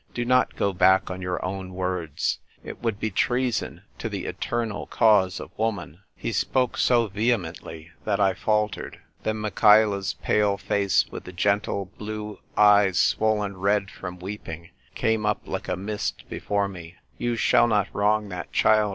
Do not go back on your own words. It would be treason to the eternal cause of woman." 246 THE TYPE WRITER GIRL. He spoke so vehemently that I faltered. Then Michaela's pale face, v/ith the gentle blue eyes swollen red from weeping, came up like a mist before me. " You shall not wrong that child